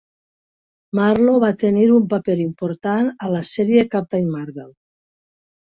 Marlo va tenir un paper important a la sèrie "Captain Marvel".